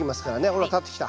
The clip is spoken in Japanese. ほら立ってきた。